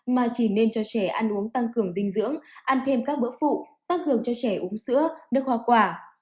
mà chỉ nên cho trẻ ăn uống tăng cường dinh dưỡng ăn thêm các bữa phụ tăng cường cho trẻ uống sữa đưa khoa quả